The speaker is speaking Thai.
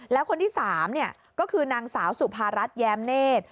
แล้วคนที่๓ก็คือนางสาวสุภารัฐแย้มเนธ